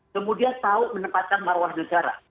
kemudian tahu menempatkan marwah negara